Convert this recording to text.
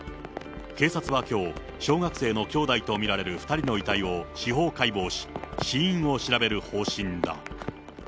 警察はきょう、小学生の兄弟と見られる２人の遺体を司法解剖し、死因を調べる方針だ。